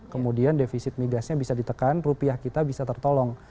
kemudian defisit migasnya bisa ditekan rupiah kita bisa tertolong